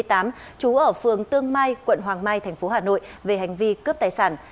trú ở phường tương mai quận hoàng mai thành phố hà nội về hành vi cướp tài sản